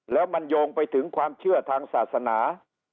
แล้วมันโยงไปถึงความเชื่อทางศาสนา